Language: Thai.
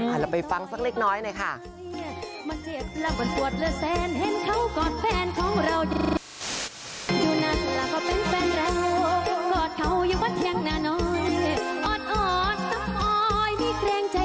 เราไปฟังสักเล็กน้อยหน่อยค่ะ